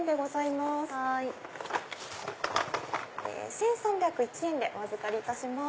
１３０１円でお預かりいたします。